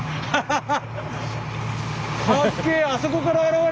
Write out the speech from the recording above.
ハハハ！